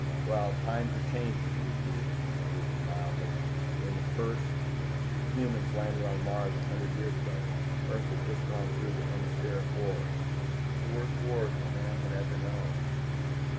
"Well, times are changing," repeated Wisby mildly. "When the first humans landed on Mars a hundred years ago, Earth had just gone through the Hemispheric Wars. The worst wars man had ever known.